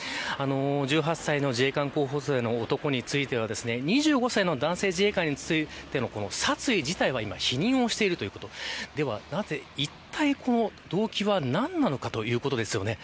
１８歳の自衛官候補生の男については２５歳の男性自衛官についての殺意自体は否認をしているということででは、なぜ動機は何なのかということですよね。